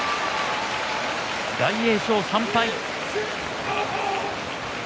大栄翔、３敗。